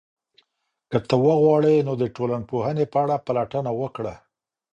که ته وغواړې، نو د ټولنپوهنې په اړه پلټنه وکړه.